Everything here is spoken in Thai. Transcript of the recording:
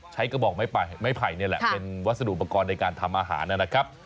กระบอกไม้ไผ่นี่แหละเป็นวัสดุอุปกรณ์ในการทำอาหารนะครับ